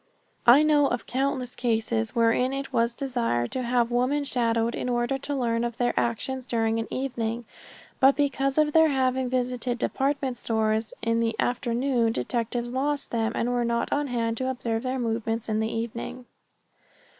I know of countless cases wherein it was desired to have women shadowed in order to learn of their actions during an evening, but because of their having visited department stores in the afternoon detectives lost them and were not on hand to observe their movements in the evening.